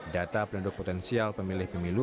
data penduduk potensial pemilih pemilu